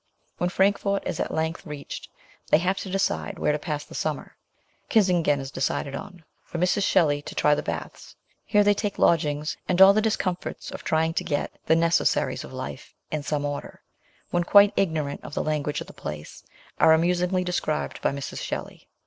When Frankfort is at length reached, they have to decide where to pass the summer. Kissingen is decided on, for Mrs. Shelley to try the baths. Here they take lodgings, and all the discomforts of trying to get the necessaries of life and some order, when quite igno rant of the language of the place, are amusingly described by Mrs. Shelley.